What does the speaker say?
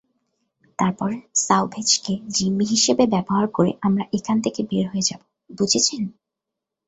তারপর সাওভ্যাজকে জিম্মি হিসেবে ব্যবহার করে আমরা এখান থেকে বের হয়ে যাব, বুঝেছেন?